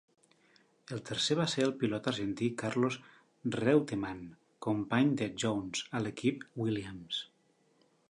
El tercer va ser el pilot argentí Carlos Reutemann, company de Jones a l'equip Williams.